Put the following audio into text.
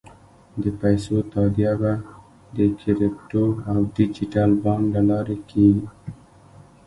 د پیسو تادیه به د کریپټو او ډیجیټل بانک له لارې کېږي.